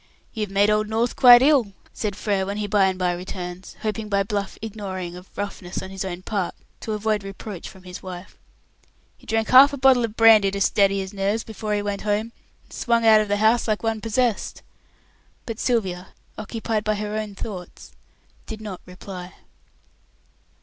"You've made old North quite ill," said Frere, when he by and by returns, hoping by bluff ignoring of roughness on his own part to avoid reproach from his wife. "He drank half a bottle of brandy to steady his nerves before he went home, and swung out of the house like one possessed." But Sylvia, occupied with her own thoughts, did not reply.